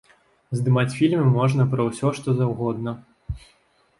Здымаць фільмы можна пра ўсё, што заўгодна.